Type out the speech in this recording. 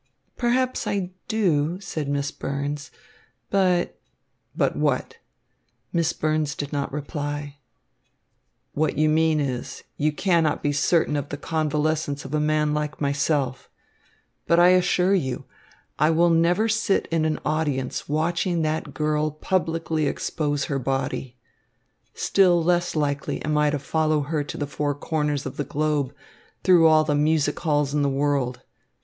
"Perhaps I do," said Miss Burns, "but" "But what?" Miss Burns did not reply. "What you mean is, you cannot be certain of the convalescence of a man like myself. But I assure you, I will never sit in an audience watching that girl publicly expose her body. Still less likely am I to follow her to the four corners of the globe, through all the music halls in the world.